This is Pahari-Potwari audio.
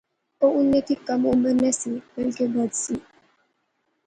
او انیں تھی کم عمر نہسی بلکہ بدھ سی